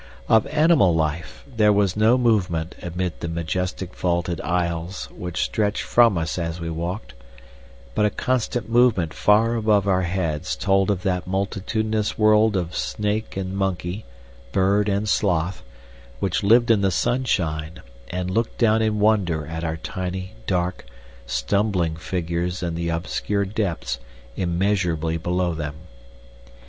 Of animal life there was no movement amid the majestic vaulted aisles which stretched from us as we walked, but a constant movement far above our heads told of that multitudinous world of snake and monkey, bird and sloth, which lived in the sunshine, and looked down in wonder at our tiny, dark, stumbling figures in the obscure depths immeasurably below them.